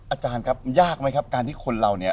อาจารย์ครับยากไหมครับการที่คนเราเนี่ย